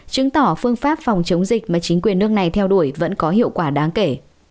chứng tỏ phương pháp phòng chống dịch mà chính quyền nước này theo đuổi vẫn có hiệu quả đáng kể